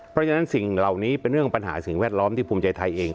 เพราะฉะนั้นสิ่งเหล่านี้เป็นเรื่องปัญหาสิ่งแวดล้อมที่ภูมิใจไทยเอง